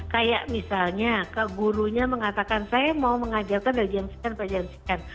kayak misalnya ke gurunya mengatakan saya mau mengajarkan dari sekian sampai sekian